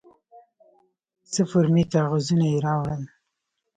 څه فورمې کاغذونه یې راوړل.